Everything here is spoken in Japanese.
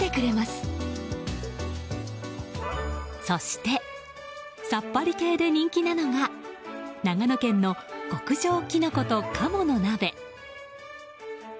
そして、さっぱり系で人気なのが長野県の極上きのこと鴨の鍋。